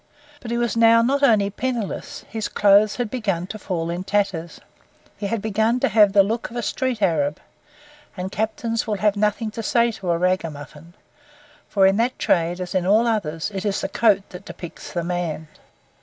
But he was now not only penniless, his clothes had begun to fall in tatters; he had begun to have the look of a street Arab; and captains will have nothing to say to a ragamuffin; for in that trade, as in all others, it is the coat that depicts the man.